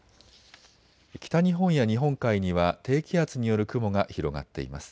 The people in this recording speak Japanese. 北日本や日本海には低気圧による雲が広がっています。